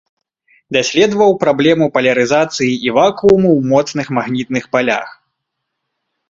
Даследаваў праблему палярызацыі і вакууму ў моцных магнітных палях.